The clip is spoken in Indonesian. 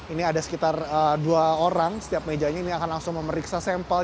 ini ada sekitar dua orang setiap mejanya ini akan langsung memeriksa sampel